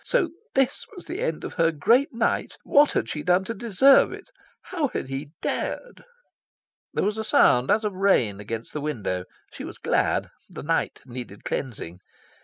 So this was the end of her great night! What had she done to deserve it? How had he dared? There was a sound as of rain against the window. She was glad. The night needed cleansing.